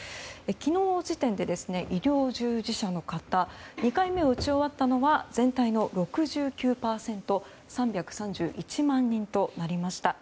昨日時点で、医療従事者の方２回目を打ち終わったのは全体の６９％３３１万人となりました。